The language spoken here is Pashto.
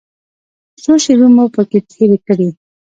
څو شېبې مو پکې تېرې کړې.